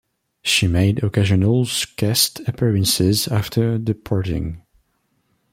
She made occasional guest appearances after departing.